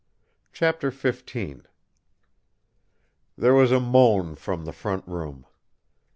CHAPTER XV There was a moan from the front room.